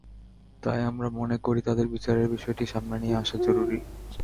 তাই আমরা মনে করি, তাঁদের বিচারের বিষয়টি সামনে নিয়ে আসা জরুরি।